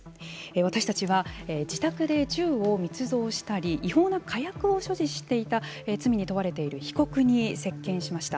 私たちは自宅で銃を密造したり違法な火薬を所持していた罪に問われている被告に接見しました。